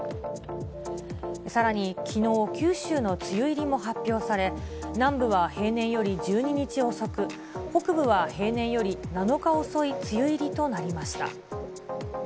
さらにきのう、九州の梅雨入りも発表され、南部は平年より１２日遅く、北部は平年より７日遅い梅雨入りとなりました。